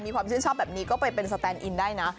ความชื่นชอบแบบนี้ก็ไปเป็นสแตนอินได้นะ